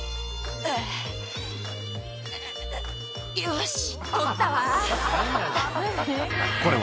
よし！